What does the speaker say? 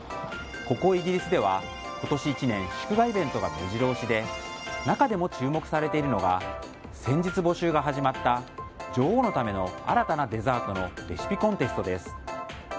ここイギリスでは今年１年祝賀イベントが目白押しで中でも注目されているのが先日募集が始まった女王のための新たなデザートのレシピコンテストです。